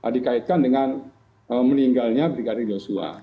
dikaitkan dengan meninggalnya brigadier joshua